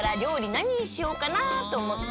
なににしようかなとおもって。